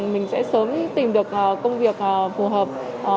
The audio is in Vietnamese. mình sẽ sớm tìm được công việc phù hợp